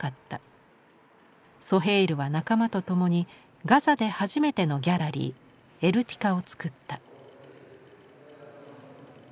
ソヘイルは仲間と共にガザで初めてのギャラリー「エルティカ」を作った。